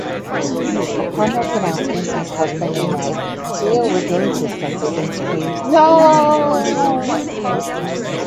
Upon their pronouncement as husband and wife, Leo regains his senses and screams, No!